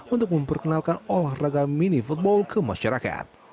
untuk memperkenalkan olahraga mini football ke masyarakat